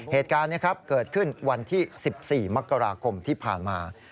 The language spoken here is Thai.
เหตุการณ์นี้เกิดขึ้นวันที่๑๔มกราคมที่ผ่านมา